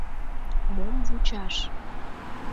— Мом вучаш?